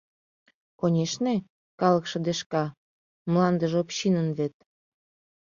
Конешне, калык шыдешка, мландыже общинын вет...